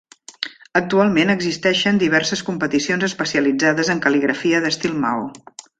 Actualment existeixen diverses competicions especialitzades en cal·ligrafia d'estil Mao.